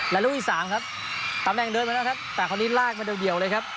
และลูกที่สามครับตำแหน่งเดินมาแล้วครับแต่คนนี้ลากมาเดี่ยวเลยครับ